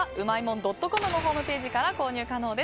ドットコムのホームページから購入可能です。